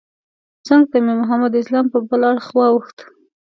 څنګ ته مې محمد اسلام په بل اړخ واوښت.